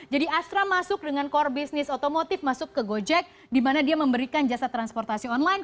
jadi astra masuk dengan corbisnis otomotif masuk ke gojek di mana dia memberikan jasa transportasi online